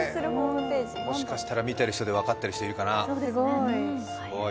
もしかして見てる人で分かってる人いるかな、すごい。